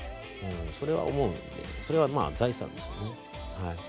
それは思うのでそれは財産ですよね。